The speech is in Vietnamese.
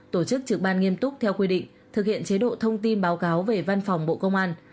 tổ chức trực ban nghiêm túc theo quy định thực hiện chế độ thông tin báo cáo về văn phòng bộ công an